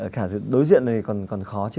khả sự đối diện này còn khó chứ